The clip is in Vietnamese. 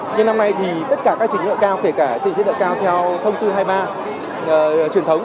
nhưng năm nay thì tất cả các trình chế độ cao kể cả trình chế độ cao theo thông tư hai mươi ba truyền thống